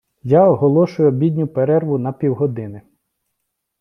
Я оголошую обідню перерву на півгодини!